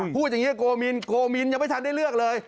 พูดอย่างนี้โกมินโกมินยังไม่ทันได้เลือกเลย